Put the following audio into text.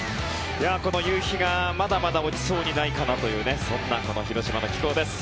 この夕日がまだまだ落ちそうにないかなというそんなこの広島の気候です。